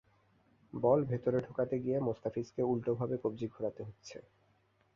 বল ভেতরে ঢোকাতে গিয়ে মোস্তাফিজকে উল্টোভাবে কবজি ঘোরাতে হচ্ছে।